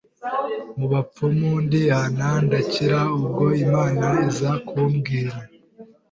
mu bapfumu ndihana ndakira, ubwo Imana iza kumbwira